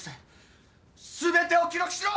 全てを記録しろ！